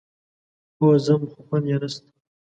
هو ځم، خو خوند يې نشته.